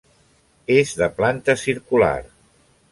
És de planta circular.